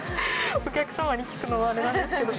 お客様に聞くのもあれなんですけど。